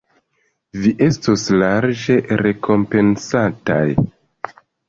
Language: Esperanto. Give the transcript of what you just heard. Vi estos larĝe rekompensataj.